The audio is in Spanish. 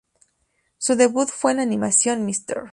Su debut fue en la animación "Mr.